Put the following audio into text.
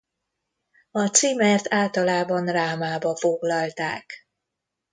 A címert általában rámába foglalták.